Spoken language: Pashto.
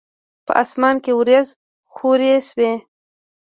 په اسمان کې وریځي خوری شوی